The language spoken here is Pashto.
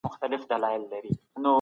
هغه وويل چي مطالعه د ژوند رڼا ده.